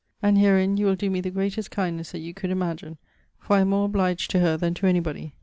And herein you will doe me the greatest kindness that you could imagine, for I am more obliged to her than to anybody.